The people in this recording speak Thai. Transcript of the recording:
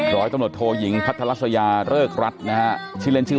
ร้อยต้นหมดโทหลหยิงพัฒนลักษณะเริกรัศนะฮะชื่อเล่นชื่อ